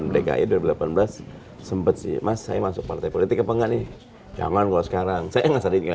dki dua ribu delapan belas sempat sih mas saya masuk partai politik apa enggak nih jangan kalau sekarang saya nggak sadar